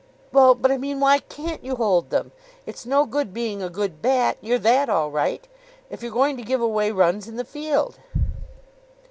"Well, but I mean, why can't you hold them? It's no good being a good bat you're that all right if you're going to give away runs in the field."